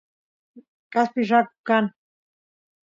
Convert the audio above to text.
kaspi raku kan